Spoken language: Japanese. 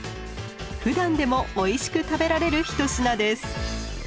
ふだんでもおいしく食べられる一品です。